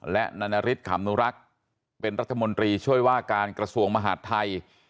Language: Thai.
และนานาริสขำนุรักษ์เป็นรัฐมนตรีช่วยว่าการกระทรวงมหาดไทย